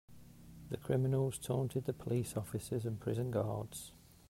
The criminals taunted the police officers and prison guards.